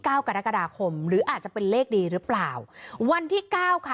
เก้ากรกฎาคมหรืออาจจะเป็นเลขดีหรือเปล่าวันที่เก้าค่ะ